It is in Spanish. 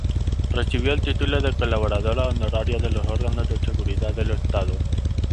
Recibió el título de Colaboradora Honoraria de los Órganos de Seguridad del Estado.